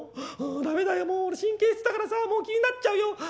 駄目だよもう俺神経質だからさもう気になっちゃうよ。